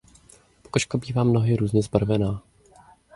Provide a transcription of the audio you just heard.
Pokožka bývá mnohdy různě zbarvená.